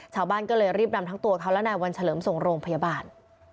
ชาวบ้านก็เลยรีบนำทั้งตัวเขาและนายวันเฉลิมส่งโรงพยาบาล